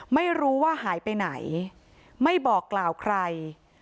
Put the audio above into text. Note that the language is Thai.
ไม่รู้ว่าหายไปไหนไม่บอกกล่าวใคร